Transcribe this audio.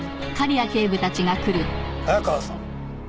・早川さん。